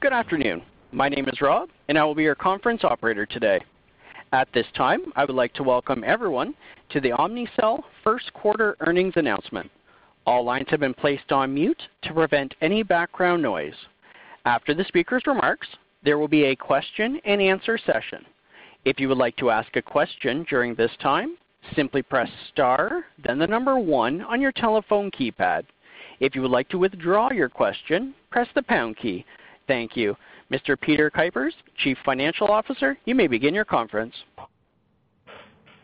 Good afternoon. My name is Rob and I will be your conference operator today. At this time, I would like to welcome everyone to the Omnicell First Quarter Earnings Announcement. All lines have been placed on mute to prevent any background noise. After the speaker's remarks, there will be a question and answer session. If you would like to ask a question during this time, simply press star, then the number 1 on your telephone keypad. If you would like to withdraw your question, press the pound key. Thank you. Mr. Peter Kuipers, Chief Financial Officer, you may begin your conference.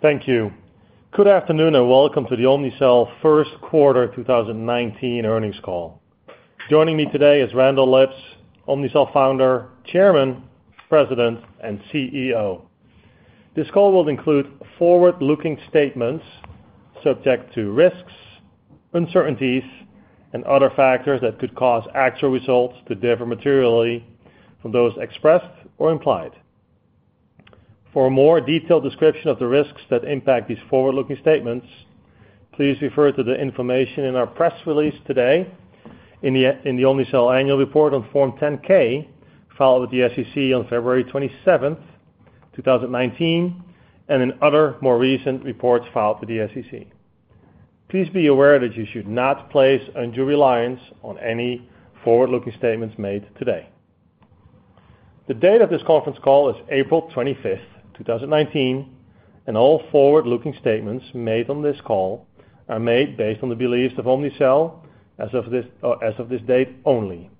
Thank you. Good afternoon, and welcome to the Omnicell First Quarter 2019 earnings call. Joining me today is Randall Lipps, Omnicell Founder, Chairman, President, and CEO. This call will include forward-looking statements subject to risks, uncertainties, and other factors that could cause actual results to differ materially from those expressed or implied. For a more detailed description of the risks that impact these forward-looking statements, please refer to the information in our press release today, in the Omnicell annual report on Form 10-K, filed with the SEC on February 27th, 2019, and in other more recent reports filed with the SEC. Please be aware that you should not place undue reliance on any forward-looking statements made today. The date of this conference call is April 25th, 2019, and all forward-looking statements made on this call are made based on the beliefs of Omnicell as of this date only.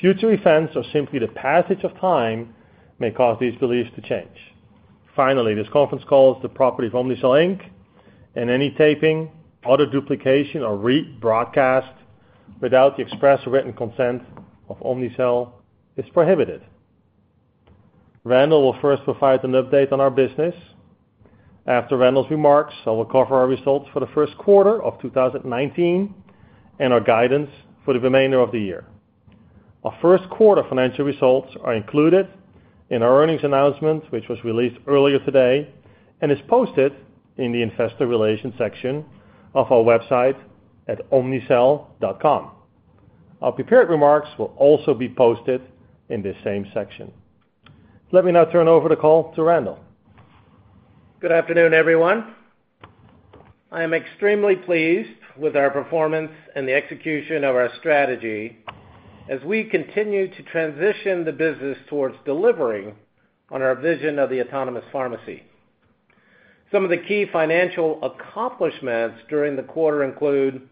Future events or simply the passage of time may cause these beliefs to change. Finally, this conference call is the property of Omnicell Inc., any taping, auto duplication, or rebroadcast without the express written consent of Omnicell is prohibited. Randall will first provide an update on our business. After Randall's remarks, I will cover our results for the first quarter of 2019 and our guidance for the remainder of the year. Our first quarter financial results are included in our earnings announcement, which was released earlier today and is posted in the investor relations section of our website at omnicell.com. Our prepared remarks will also be posted in the same section. Let me now turn over the call to Randall. Good afternoon, everyone. I am extremely pleased with our performance and the execution of our strategy as we continue to transition the business towards delivering on our vision of the autonomous pharmacy. Some of the key financial accomplishments during the quarter include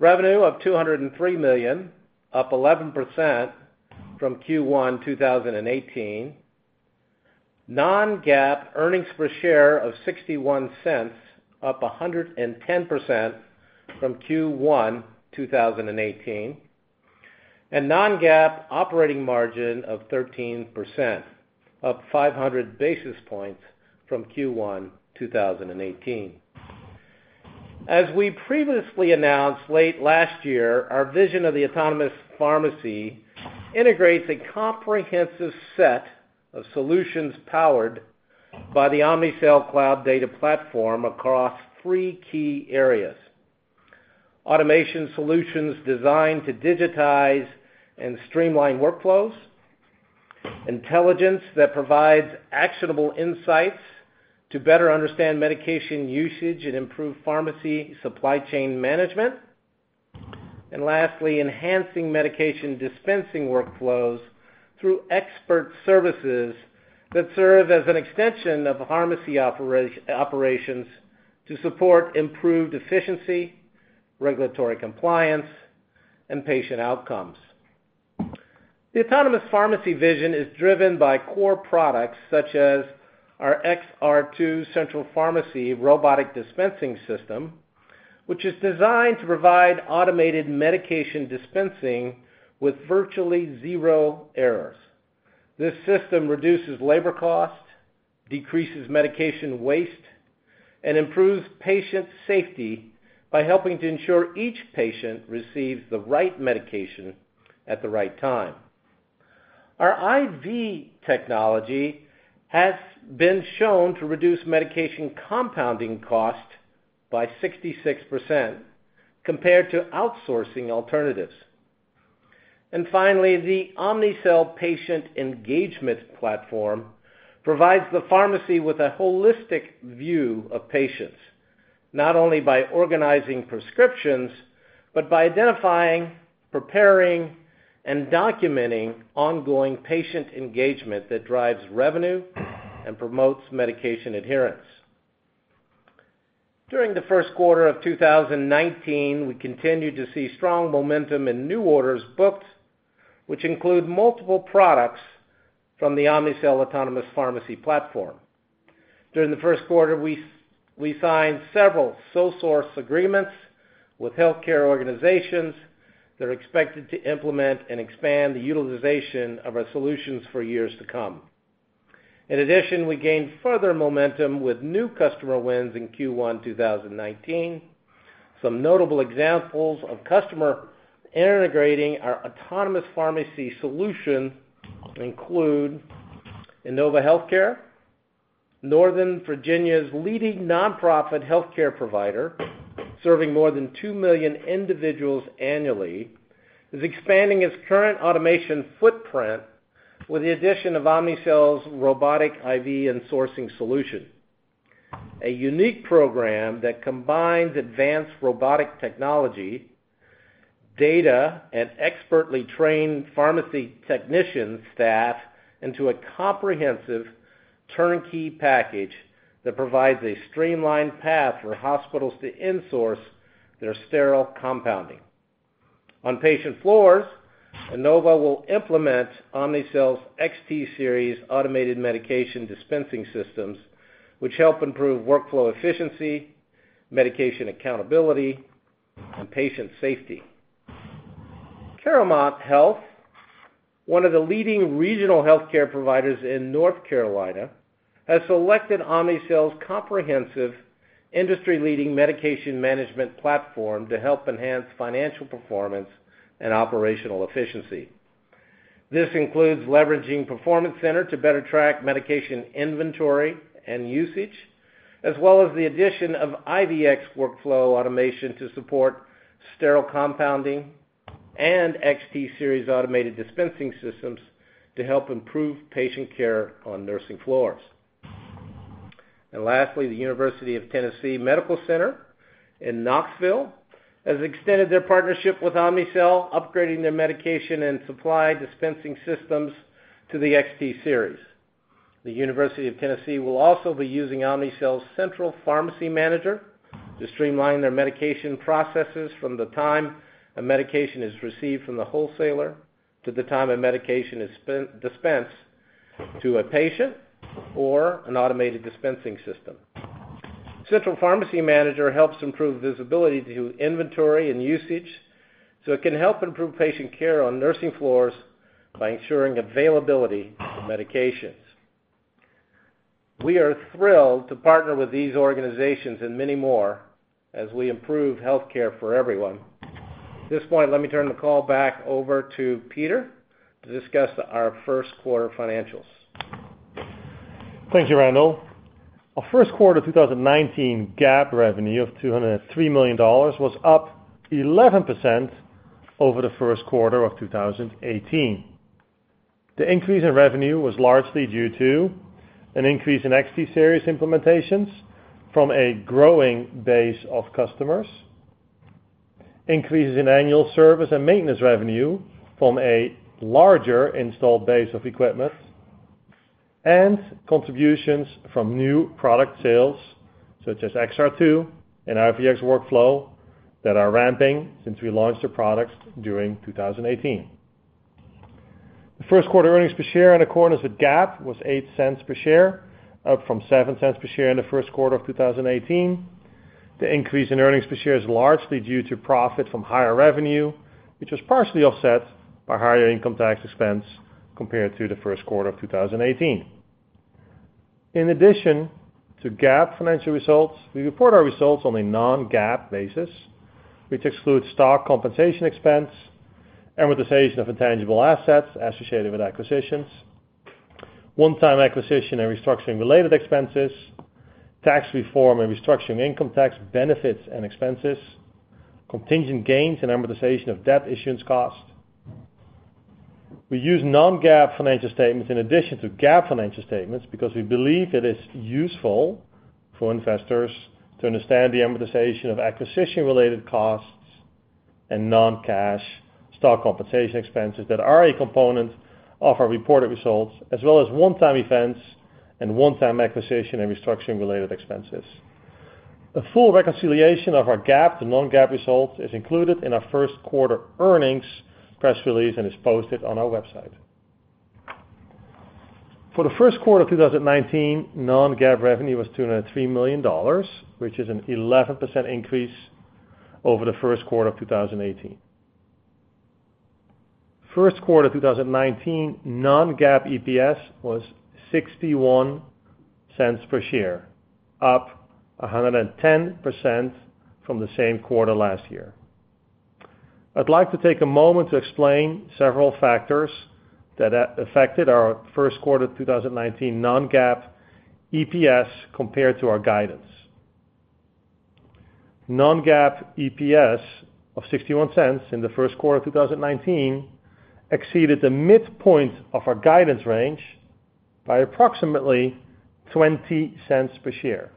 revenue of $203 million, up 11% from Q1 2018, non-GAAP earnings per share of $0.61, up 110% from Q1 2018, non-GAAP operating margin of 13%, up 500 basis points from Q1 2018. As we previously announced late last year, our vision of the autonomous pharmacy integrates a comprehensive set of solutions powered by the Omnicell Cloud Data Platform across three key areas. Automation solutions designed to digitize and streamline workflows, intelligence that provides actionable insights to better understand medication usage and improve pharmacy supply chain management, and lastly, enhancing medication dispensing workflows through expert services that serve as an extension of pharmacy operations to support improved efficiency, regulatory compliance, and patient outcomes. The autonomous pharmacy vision is driven by core products such as our XR2 Automated Central Pharmacy System, which is designed to provide automated medication dispensing with virtually zero errors. This system reduces labor cost, decreases medication waste, and improves patient safety by helping to ensure each patient receives the right medication at the right time. Our IV technology has been shown to reduce medication compounding cost by 66%, compared to outsourcing alternatives. Finally, the EnlivenHealth Patient Engagement Platform provides the pharmacy with a holistic view of patients. Not only by organizing prescriptions, but by identifying, preparing, and documenting ongoing patient engagement that drives revenue and promotes medication adherence. During the first quarter of 2019, we continued to see strong momentum in new orders booked, which include multiple products from the Omnicell autonomous pharmacy platform. During the first quarter, we signed several sole source agreements with healthcare organizations that are expected to implement and expand the utilization of our solutions for years to come. In addition, we gained further momentum with new customer wins in Q1 2019. Some notable examples of customer integrating our autonomous pharmacy solution include Inova Health System, Northern Virginia's leading nonprofit healthcare provider, serving more than 2 million individuals annually, is expanding its current automation footprint with the addition of Omnicell's robotic IV and sourcing solution. A unique program that combines advanced robotic technology, data, and expertly trained pharmacy technician staff into a comprehensive turnkey package that provides a streamlined path for hospitals to insource their sterile compounding. On patient floors, Inova will implement Omnicell's XT Series automated medication dispensing systems, which help improve workflow efficiency, medication accountability, and patient safety. CaroMont Health, one of the leading regional healthcare providers in North Carolina, has selected Omnicell's comprehensive industry-leading medication management platform to help enhance financial performance and operational efficiency. This includes leveraging Performance Center to better track medication inventory and usage, as well as the addition of IVX Workflow automation to support sterile compounding and XT Series automated dispensing systems to help improve patient care on nursing floors. Lastly, The University of Tennessee Medical Center in Knoxville has extended their partnership with Omnicell, upgrading their medication and supply dispensing systems to the XT Series. The University of Tennessee will also be using Omnicell's Central Pharmacy Manager to streamline their medication processes from the time a medication is received from the wholesaler to the time a medication is dispensed to a patient or an automated dispensing system. Central Pharmacy Manager helps improve visibility to inventory and usage, it can help improve patient care on nursing floors by ensuring availability of medications. We are thrilled to partner with these organizations and many more as we improve healthcare for everyone. At this point, let me turn the call back over to Peter to discuss our first quarter financials. Thank you, Randall. Our first quarter 2019 GAAP revenue of $203 million was up 11% over the first quarter of 2018. The increase in revenue was largely due to an increase in XT Series implementations from a growing base of customers, increases in annual service and maintenance revenue from a larger installed base of equipment, and contributions from new product sales such as XR2 and IVX Workflow that are ramping since we launched their products during 2018. The first quarter earnings per share in accordance with GAAP was $0.08 per share, up from $0.07 per share in the first quarter of 2018. The increase in earnings per share is largely due to profit from higher revenue, which was partially offset by higher income tax expense compared to the first quarter of 2018. In addition to GAAP financial results, we report our results on a non-GAAP basis, which excludes stock compensation expense, amortization of intangible assets associated with acquisitions, one-time acquisition and restructuring related expenses, tax reform and restructuring income tax benefits and expenses, contingent gains and amortization of debt issuance costs. We use non-GAAP financial statements in addition to GAAP financial statements because we believe that it's useful for investors to understand the amortization of acquisition-related costs and non-cash stock compensation expenses that are a component of our reported results, as well as one-time events and one-time acquisition and restructuring related expenses. A full reconciliation of our GAAP to non-GAAP results is included in our first quarter earnings press release and is posted on our website. For the first quarter of 2019, non-GAAP revenue was $203 million, which is an 11% increase over the first quarter of 2018. First quarter 2019 non-GAAP EPS was $0.61 per share, up 110% from the same quarter last year. I'd like to take a moment to explain several factors that affected our first quarter 2019 non-GAAP EPS compared to our guidance. Non-GAAP EPS of $0.61 in the first quarter of 2019 exceeded the midpoint of our guidance range by approximately $0.20 per share.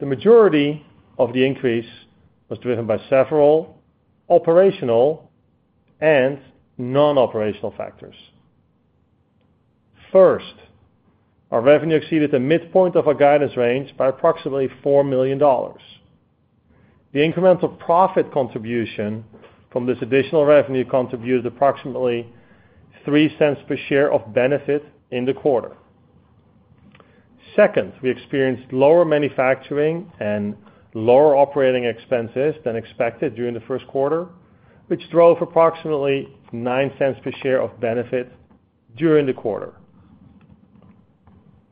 The majority of the increase was driven by several operational and non-operational factors. First, our revenue exceeded the midpoint of our guidance range by approximately $4 million. The incremental profit contribution from this additional revenue contributed approximately $0.03 per share of benefit in the quarter. Second, we experienced lower manufacturing and lower operating expenses than expected during the first quarter, which drove approximately $0.09 per share of benefit during the quarter.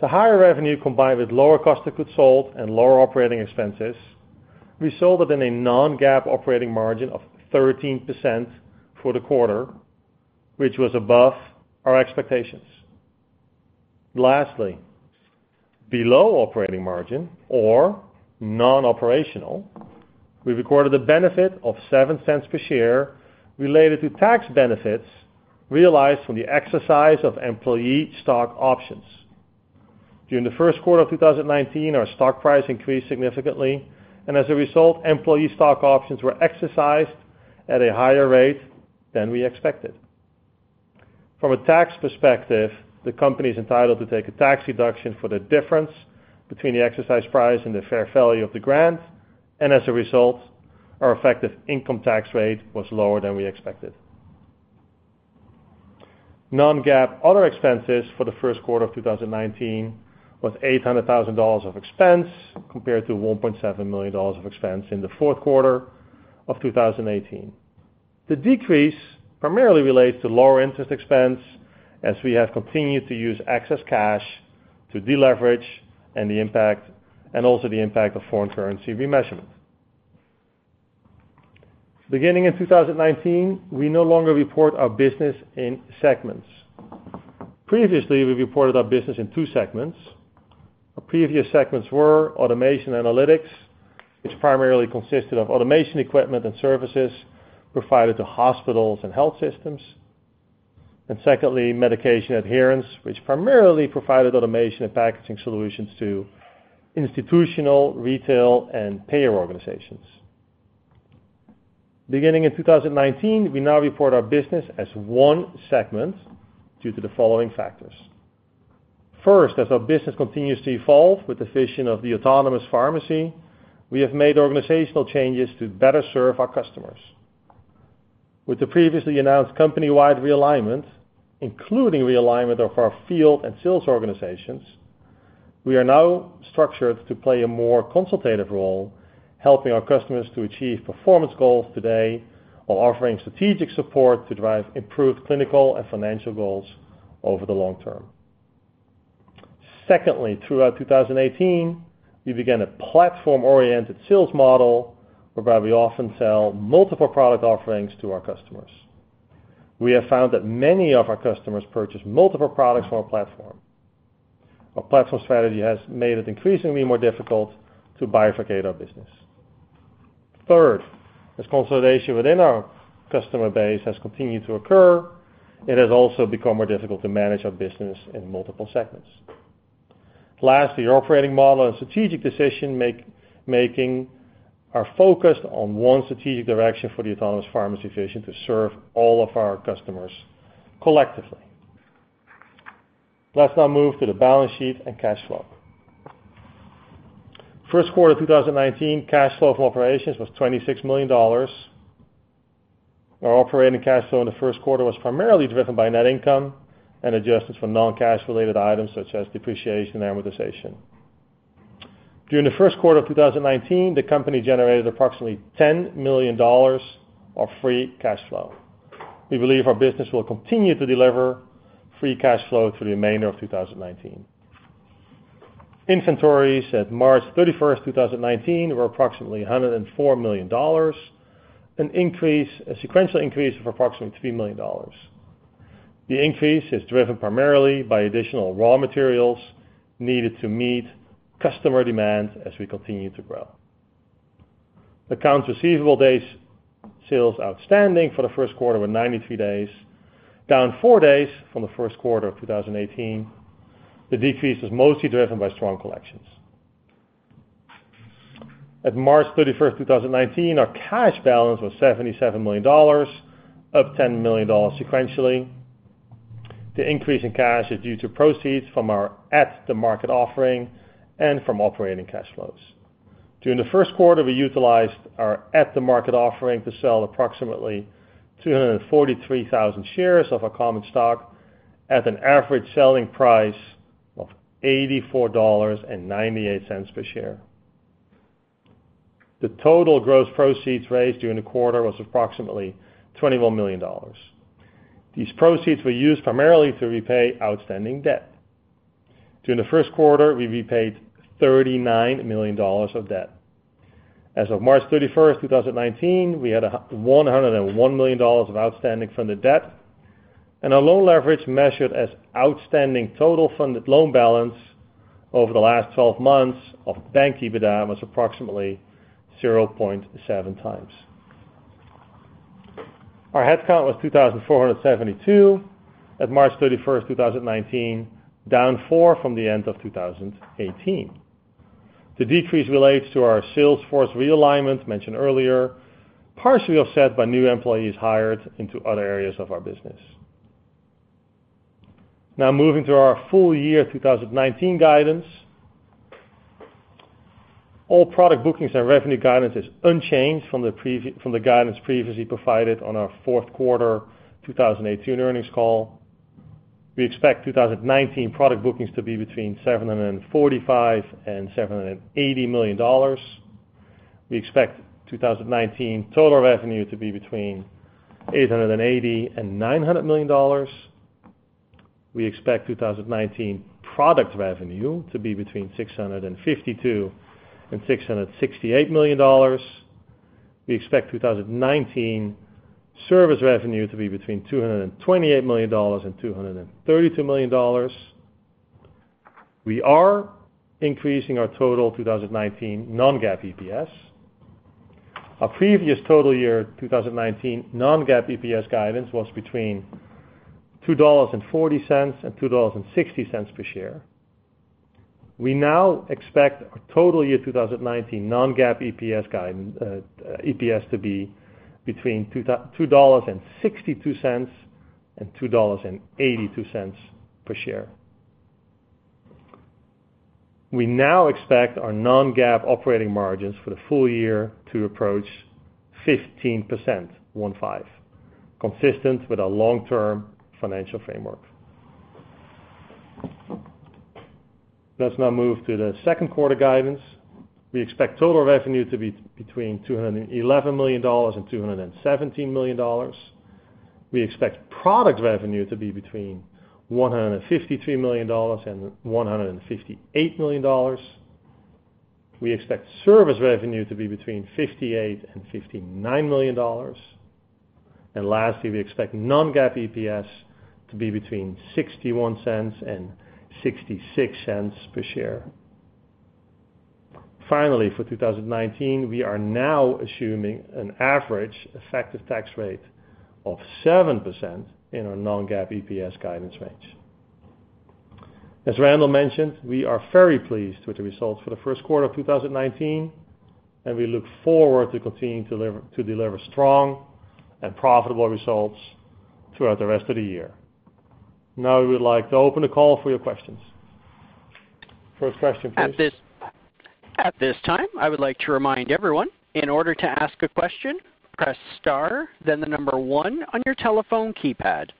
The higher revenue, combined with lower cost of goods sold and lower operating expenses, resulted in a non-GAAP operating margin of 13% for the quarter which was above our expectations. Lastly, below operating margin or non-operational, we recorded a benefit of $0.07 per share related to tax benefits realized from the exercise of employee stock options. During the first quarter of 2019, our stock price increased significantly, and as a result, employee stock options were exercised at a higher rate than we expected. From a tax perspective, the company's entitled to take a tax deduction for the difference between the exercise price and the fair value of the grant, and as a result, our effective income tax rate was lower than we expected. Non-GAAP other expenses for the first quarter of 2019 was $800,000 of expense compared to $1.7 million of expense in the fourth quarter of 2018. The decrease primarily relates to lower interest expense as we have continued to use excess cash to deleverage and also the impact of foreign currency remeasurement. Beginning in 2019, we no longer report our business in segments. Previously, we reported our business in two segments. Our previous segments were automation and analytics, which primarily consisted of automation equipment and services provided to hospitals and health systems. Secondly, medication adherence, which primarily provided automation and packaging solutions to institutional, retail, and payer organizations. Beginning in 2019, we now report our business as one segment due to the following factors. First, as our business continues to evolve with the vision of the autonomous pharmacy, we have made organizational changes to better serve our customers. With the previously announced company-wide realignment, including realignment of our field and sales organizations, we are now structured to play a more consultative role, helping our customers to achieve performance goals today while offering strategic support to drive improved clinical and financial goals over the long term. Secondly, throughout 2018, we began a platform-oriented sales model whereby we often sell multiple product offerings to our customers. We have found that many of our customers purchase multiple products from our platform. Our platform strategy has made it increasingly more difficult to bifurcate our business. Third, as consolidation within our customer base has continued to occur, it has also become more difficult to manage our business in multiple segments. Lastly, our operating model and strategic decision-making are focused on one strategic direction for the autonomous pharmacy vision to serve all of our customers collectively. Let's now move to the balance sheet and cash flow. First quarter 2019, cash flow from operations was $26 million. Our operating cash flow in the first quarter was primarily driven by net income and adjustments for non-cash related items such as depreciation and amortization. During the first quarter of 2019, the company generated approximately $10 million of free cash flow. We believe our business will continue to deliver free cash flow through the remainder of 2019. Inventories at March 31st, 2019, were approximately $104 million, a sequential increase of approximately $3 million. The increase is driven primarily by additional raw materials needed to meet customer demand as we continue to grow. Account receivable days sales outstanding for the first quarter were 93 days, down four days from the first quarter of 2018. The decrease is mostly driven by strong collections. At March 31st, 2019, our cash balance was $77 million, up $10 million sequentially. The increase in cash is due to proceeds from our at-the-market offering and from operating cash flows. During the first quarter, we utilized our at-the-market offering to sell approximately 243,000 shares of our common stock at an average selling price of $84.98 per share. The total gross proceeds raised during the quarter was approximately $21 million. These proceeds were used primarily to repay outstanding debt. During the first quarter, we repaid $39 million of debt. As of March 31st, 2019, we had $101 million of outstanding funded debt, and our loan leverage measured as outstanding total funded loan balance over the last 12 months of bank EBITDA was approximately 0.7 times. Our headcount was 2,472 at March 31st, 2019, down four from the end of 2018. The decrease relates to our sales force realignment mentioned earlier, partially offset by new employees hired into other areas of our business. Moving to our full year 2019 guidance. All product bookings and revenue guidance is unchanged from the guidance previously provided on our fourth quarter 2018 earnings call. We expect 2019 product bookings to be between $745 million and $780 million. We expect 2019 total revenue to be between $880 million and $900 million. We expect 2019 product revenue to be between $652 million and $668 million. We expect 2019 service revenue to be between $228 million and $232 million. We are increasing our total 2019 non-GAAP EPS. Our previous total year 2019 non-GAAP EPS guidance was between $2.40 per share and $2.60 per share. We now expect our total year 2019 non-GAAP EPS to be between $2.62 per share and $2.82 per share. We now expect our non-GAAP operating margins for the full year to approach 15%, consistent with our long-term financial framework. Let's move to the second quarter guidance. We expect total revenue to be between $211 million and $217 million. We expect product revenue to be between $153 million and $158 million. We expect service revenue to be between $58 million and $59 million. Lastly, we expect non-GAAP EPS to be between $0.61 per share and $0.66 per share. For 2019, we are now assuming an average effective tax rate of 7% in our non-GAAP EPS guidance range. As Randall mentioned, we are very pleased with the results for the first quarter of 2019, and we look forward to continuing to deliver strong and profitable results throughout the rest of the year. We would like to open the call for your questions. First question, please. At this time, I would like to remind everyone, in order to ask a question, press star then the number 1 on your telephone keypad.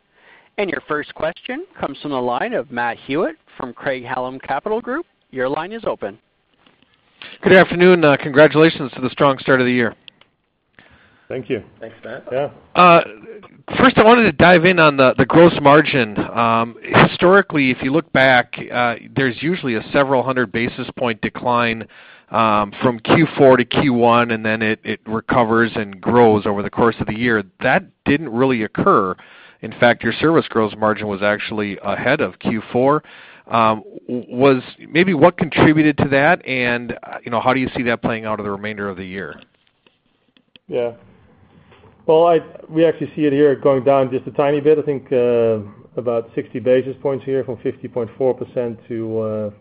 Your first question comes from the line of Matt Hewitt from Craig-Hallum Capital Group. Your line is open. Good afternoon. Congratulations to the strong start of the year. Thank you. Thanks, Matt. Yeah. First, I wanted to dive in on the gross margin. Historically, if you look back, there's usually a several hundred basis point decline from Q4 to Q1, and then it recovers and grows over the course of the year. That didn't really occur. In fact, your service gross margin was actually ahead of Q4. Maybe what contributed to that, and how do you see that playing out over the remainder of the year? Yeah. Well, we actually see it here going down just a tiny bit, I think about 60 basis points here from 50.4% to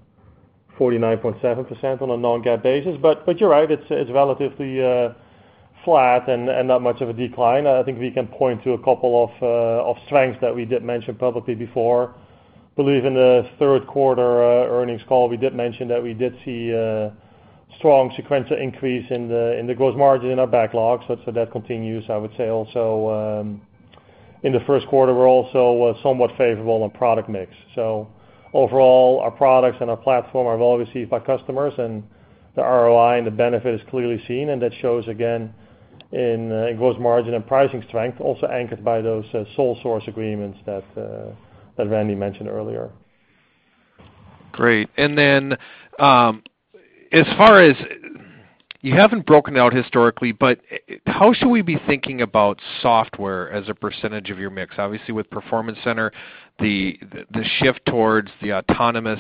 49.7% on a non-GAAP basis. You're right, it's relatively flat and not much of a decline. I think we can point to a couple of strengths that we did mention publicly before. Believe in the third quarter earnings call, we did mention that we did see a strong sequential increase in the gross margin in our backlog. That continues. I would say also in the first quarter, we're also somewhat favorable on product mix. Overall, our products and our platform are well received by customers, and the ROI and the benefit is clearly seen, and that shows again in gross margin and pricing strength, also anchored by those sole source agreements that Randy mentioned earlier. Great. You haven't broken out historically, but how should we be thinking about software as a percentage of your mix? Obviously, with Performance Center, the shift towards the autonomous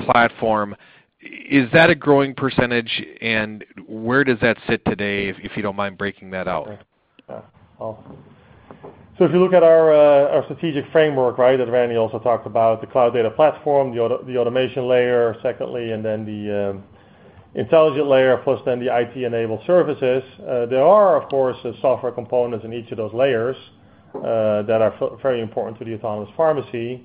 platform, is that a growing percentage, and where does that sit today, if you don't mind breaking that out? Yeah. If you look at our strategic framework, that Randy also talked about, the cloud data platform, the automation layer, secondly, the intelligent layer, plus the IT-enabled services. There are, of course, software components in each of those layers that are very important to the autonomous pharmacy.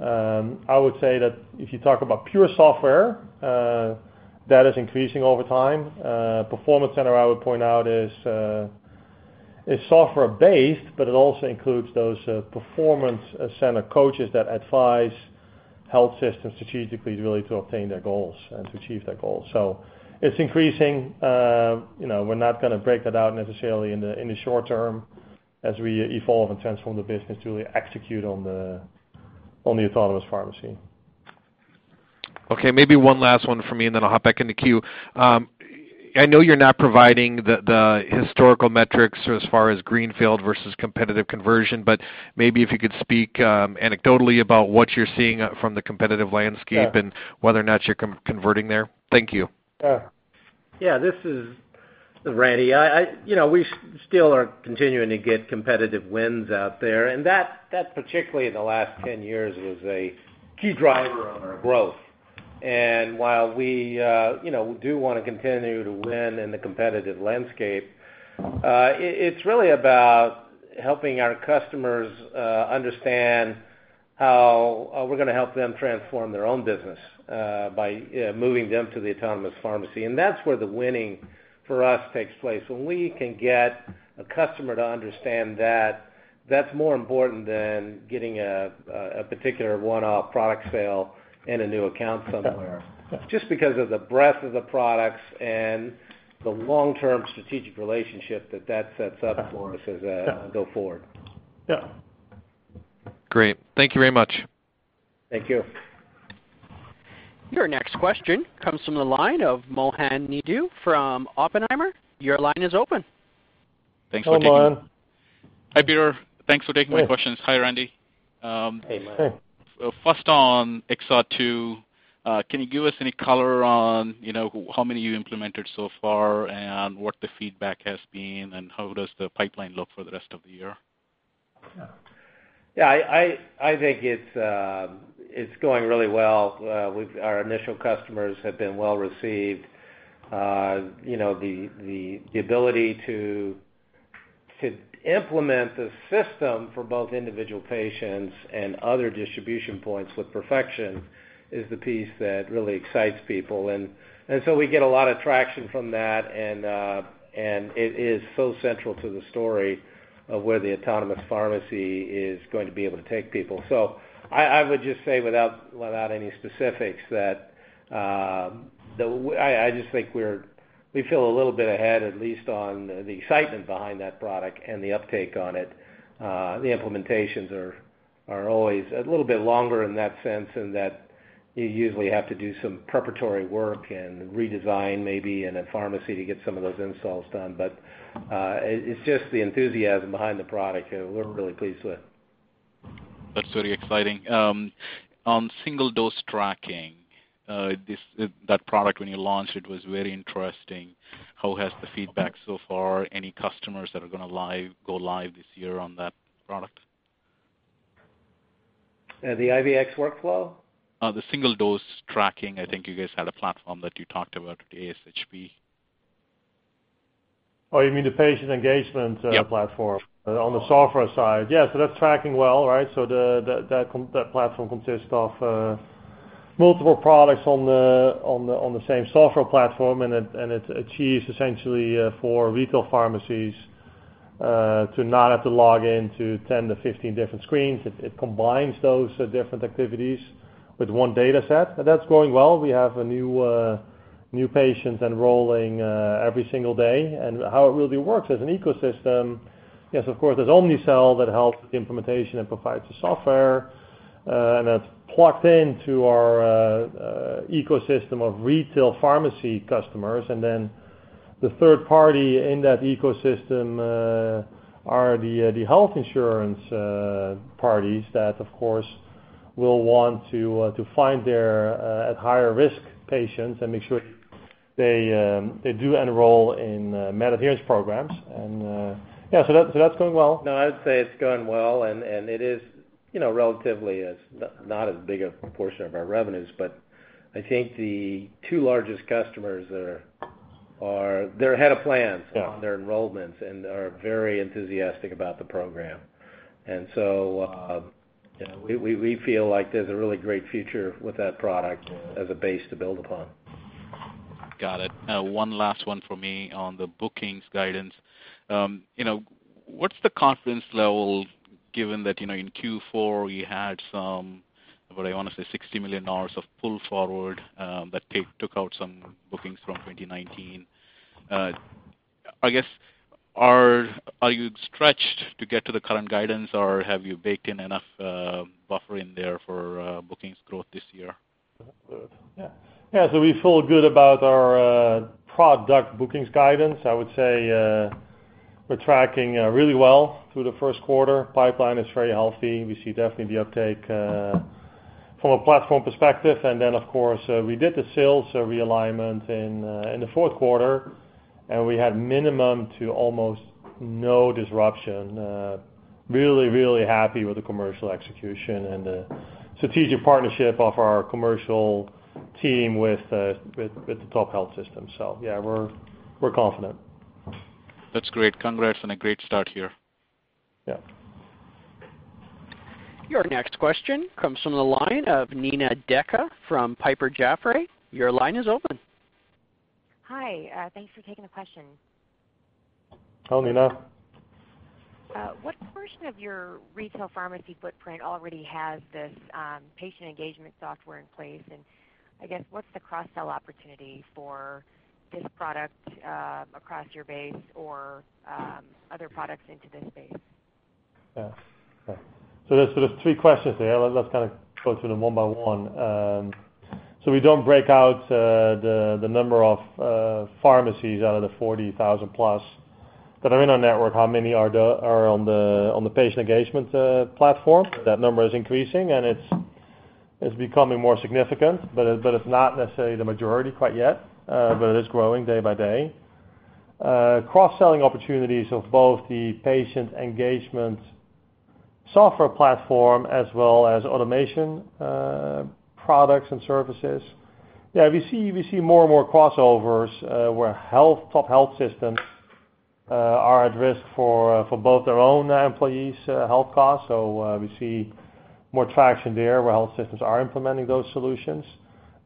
I would say that if you talk about pure software, that is increasing over time. Performance Center, I would point out, is software-based, but it also includes those Performance Center coaches that advise health systems strategically really to obtain their goals and to achieve their goals. It's increasing. We're not going to break that out necessarily in the short term as we evolve and transform the business to really execute on the autonomous pharmacy. Okay, maybe one last one from me, I'll hop back in the queue. I know you're not providing the historical metrics as far as greenfield versus competitive conversion, but maybe if you could speak anecdotally about what you're seeing from the competitive landscape- Sure Whether or not you're converting there. Thank you. Sure. Yeah, this is Randy. We still are continuing to get competitive wins out there, and that particularly in the last 10 years, was a key driver of our growth. While we do want to continue to win in the competitive landscape, it's really about helping our customers understand how we're going to help them transform their own business by moving them to the autonomous pharmacy. That's where the winning for us takes place. When we can get a customer to understand that's more important than getting a particular one-off product sale in a new account somewhere. Just because of the breadth of the products and the long-term strategic relationship that that sets up for us as we go forward. Yeah. Great. Thank you very much. Thank you. Your next question comes from the line of Mohan Naidu from Oppenheimer. Your line is open. Thanks for taking Hello, Mohan. Hi, Peter. Thanks for taking my questions. Sure. Hi, Randy. Hey, Mohan. First on XR2, can you give us any color on how many you implemented so far, and what the feedback has been, and how does the pipeline look for the rest of the year? Yeah. I think it's going really well. Our initial customers have been well-received. The ability to implement the system for both individual patients and other distribution points with perfection is the piece that really excites people. We get a lot of traction from that, and it is so central to the story of where the autonomous pharmacy is going to be able to take people. I would just say, without any specifics, that I just think we feel a little bit ahead, at least on the excitement behind that product and the uptake on it. The implementations are always a little bit longer in that sense, in that you usually have to do some preparatory work and redesign, maybe, in a pharmacy to get some of those installs done. It's just the enthusiasm behind the product, we're really pleased with. That's very exciting. On single-dose tracking, that product when you launched, it was very interesting. How has the feedback so far, any customers that are going to go live this year on that product? The IVX Workflow? The single-dose tracking. I think you guys had a platform that you talked about at ASHP. Oh, you mean the patient engagement- Yep platform on the software side. Yeah, that's tracking well, right? That platform consists of multiple products on the same software platform, and it achieves, essentially, for retail pharmacies to not have to log in to 10 to 15 different screens. It combines those different activities with one data set, and that's going well. We have new patients enrolling every single day. How it really works as an ecosystem, yes, of course, there's Omnicell that helps with the implementation and provides the software, and that's plugged into our ecosystem of retail pharmacy customers. Then the third party in that ecosystem are the health insurance parties that, of course, will want to find their at-higher-risk patients and make sure they do enroll in adherence programs. Yeah, that's going well. No, I would say it's going well, and it is relatively not as big a portion of our revenues, but I think the two largest customers, they're ahead of plan on their enrollments and are very enthusiastic about the program. We feel like there's a really great future with that product as a base to build upon. Got it. One last one from me on the bookings guidance. What's the confidence level, given that in Q4 you had some, what I want to say, $60 million of pull forward, that took out some bookings from 2019. I guess, are you stretched to get to the current guidance, or have you baked in enough buffer in there for bookings growth this year? Yeah. We feel good about our product bookings guidance. I would say we're tracking really well through the first quarter. Pipeline is very healthy. We see definitely the uptake from a platform perspective. Of course, we did the sales realignment in the fourth quarter, and we had minimum to almost no disruption. Really happy with the commercial execution and the strategic partnership of our commercial team with the top health system. Yeah, we're confident. That's great. Congrats on a great start here. Yeah. Your next question comes from the line of Nina Deka from Piper Jaffray. Your line is open. Hi. Thanks for taking the question. Hello, Nina. What portion of your retail pharmacy footprint already has this patient engagement software in place? I guess, what's the cross-sell opportunity for this product across your base or other products into this space? Yeah. Okay. There are three questions there. Let's kind of go through them one by one. We don't break out the number of pharmacies out of the 40,000 plus that are in our network, how many are on the EnlivenHealth Patient Engagement Platform. That number is increasing, and it's becoming more significant, but it's not necessarily the majority quite yet. It is growing day by day. Cross-selling opportunities of both the EnlivenHealth Patient Engagement Platform as well as automation products and services. Yeah, we see more and more crossovers, where top health systems are at risk for both their own employees' health costs. We see more traction there where health systems are implementing those solutions.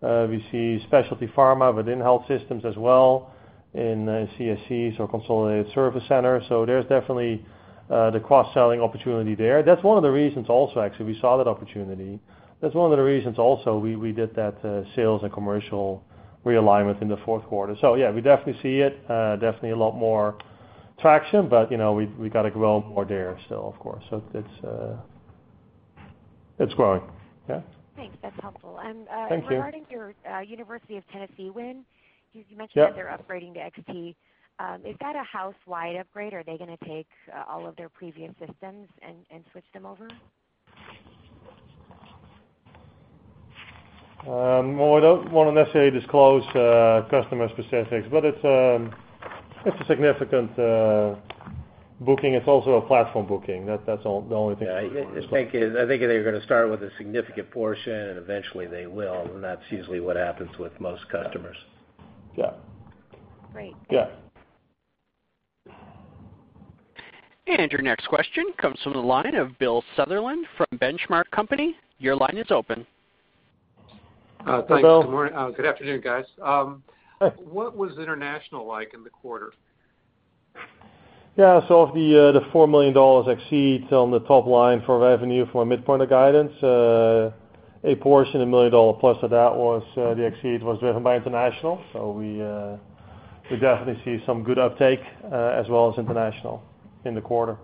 We see specialty pharma within health systems as well in CSCs, or consolidated service centers. There's definitely the cross-selling opportunity there. That's one of the reasons also, actually, we saw that opportunity. That's one of the reasons also we did that sales and commercial realignment in the fourth quarter. Yeah, we definitely see it. Definitely a lot more traction, but we've got to grow more there still, of course. It's growing. Yeah. Thanks. That's helpful. Thank you. Regarding your University of Tennessee win, you mentioned. Yep that they're upgrading to XT. Is that a house-wide upgrade or are they going to take all of their previous systems and switch them over? Well, I don't want to necessarily disclose customer specifics, but it's a significant booking. It's also a platform booking. That's the only thing I can disclose. Yeah, I think they're going to start with a significant portion and eventually they will, and that's usually what happens with most customers. Yeah. Great. Yeah. Your next question comes from the line of Bill Sutherland from Benchmark Company. Your line is open. Thanks. Hello. Good morning. Good afternoon, guys. Hi. What was international like in the quarter? Yeah. Of the $4 million exceeds on the top line for revenue for midpoint of guidance, a portion, $1 million plus of that was the exceed was driven by international. We definitely see some good uptake, as well as international in the quarter.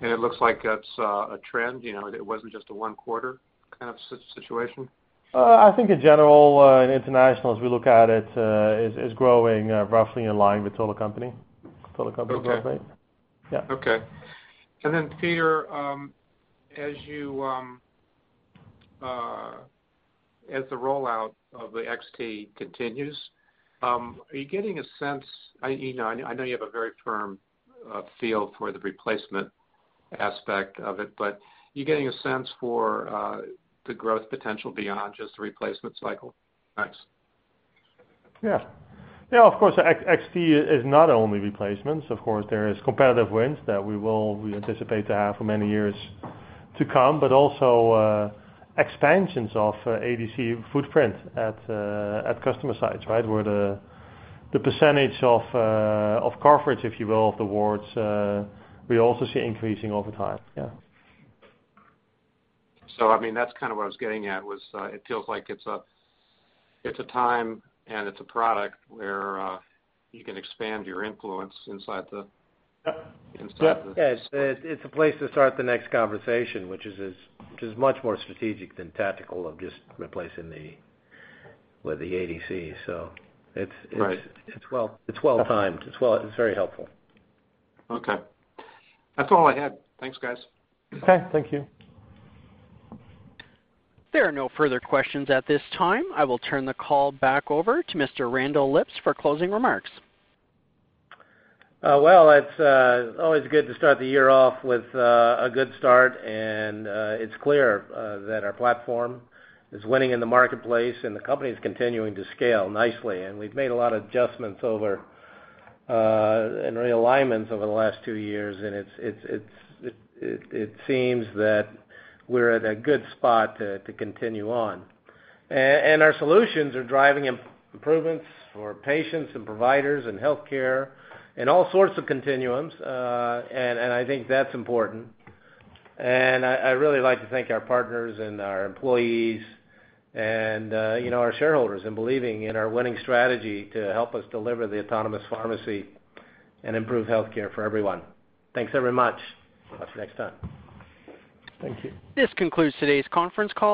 It looks like that's a trend, it wasn't just a one-quarter kind of situation? I think in general, in international, as we look at it, is growing roughly in line with total company growth rate. Okay. Yeah. Okay. Peter, as the rollout of the XT continues, are you getting a sense I know you have a very firm feel for the replacement aspect of it, but are you getting a sense for the growth potential beyond just the replacement cycle? Thanks. Yeah. Of course, XT is not only replacements. Of course, there is competitive wins that we anticipate to have for many years to come, but also expansions of ADC footprint at customer sites, right? Where the percentage of coverage, if you will, of the wards, we also see increasing over time. Yeah. That's kind of what I was getting at, was it feels like it's a time and it's a product where you can expand your influence inside the- Yep inside the- Yeah. It's a place to start the next conversation, which is much more strategic than tactical of just replacing with the ADC. It's- Right it's well-timed. It's very helpful. Okay. That's all I had. Thanks, guys. Okay, thank you. There are no further questions at this time. I will turn the call back over to Mr. Randall Lipps for closing remarks. Well, it's always good to start the year off with a good start, and it's clear that our platform is winning in the marketplace and the company is continuing to scale nicely. We've made a lot of adjustments over, and realignments over the last two years, and it seems that we're at a good spot to continue on. Our solutions are driving improvements for patients and providers and healthcare and all sorts of continuums, and I think that's important. I really like to thank our partners and our employees and our shareholders in believing in our winning strategy to help us deliver the autonomous pharmacy and improve healthcare for everyone. Thanks very much. Until next time. Thank you. This concludes today's conference call.